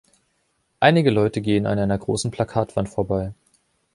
Einige Leute gehen an einer großen Plakatwand vorbei.